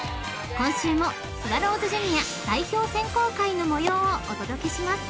［今週もスワローズジュニア代表選考会の模様をお届けします］